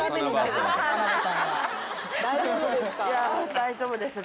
大丈夫ですか？